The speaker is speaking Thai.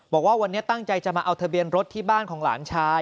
บอกว่าวันนี้ตั้งใจจะมาเอาทะเบียนรถที่บ้านของหลานชาย